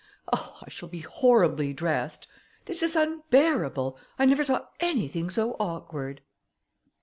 Oh! I shall be horribly dressed; this is unbearable: I never saw anything so awkward."